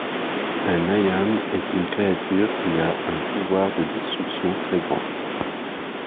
Un Ayame est une créature qui a un pouvoir de destruction très grand.